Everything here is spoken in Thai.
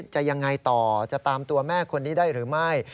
จะยังไงต่อจะตามตัวแม่คนนี้ได้หรือไม่